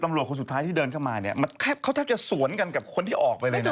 ตำรวจคนสุดท้ายที่เดินเข้ามาเขาจะสวนกับคนที่ออกเลย